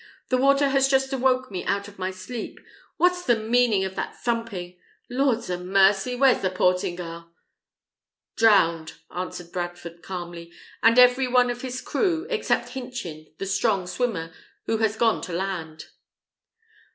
The water has just awoke me out of my sleep. What's the meaning of that thumping? Lord 'a mercy! where's the Portingal?" "Drowned!" answered Bradford, calmly, "and every one of his crew, except Hinchin, the strong swimmer, who has got to land."